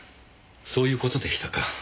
そういう事でしたか。